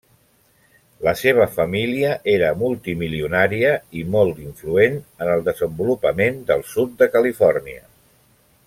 La seva família era multimilionària i molt influent en el desenvolupament del sud de Califòrnia.